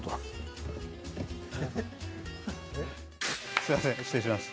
すみません、失礼します。